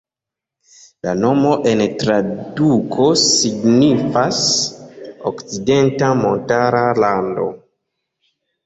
La nomo en traduko signifas "Okcidenta Montara Lando".